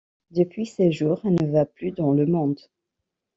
Depuis seize jours elle ne va plus dans le monde.